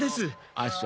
あっそ。